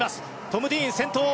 トム・ディーン先頭。